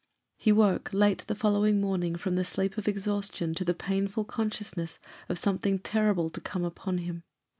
He woke, late the following morning, from the sleep of exhaustion to the painful consciousness of something terrible to come upon him.